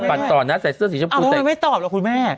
อย่าปันต่อนะใส่เสื้อสีชมพูเต็กอ้าวมันไม่ตอบหรอคุณแม่